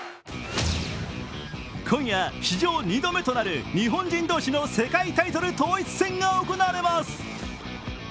今夜、史上２度目となる日本人同士の世界タイトル統一戦が行われます。